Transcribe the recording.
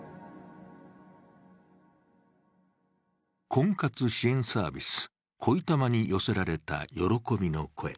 婚活支援サービス、恋たまに寄せられた喜びの声。